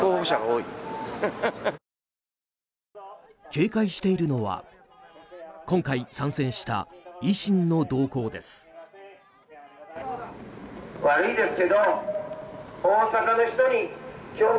警戒しているのは今回参戦した維新の動向です。